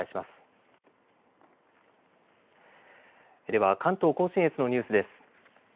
では関東甲信越のニュースです。